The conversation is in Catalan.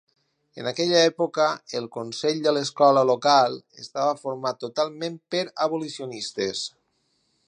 En aquella època, el consell de l'escola local estava format totalment per abolicionistes.